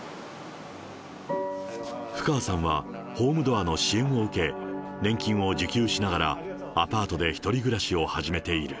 布川さんは、ホームドアの支援を受け、年金を受給しながら、アパートで１人暮らしを始めている。